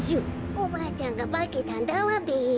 おばあちゃんがばけたんだわべ。